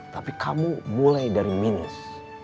tapi kamu mulai dari minus